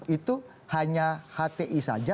itu hanya hti saja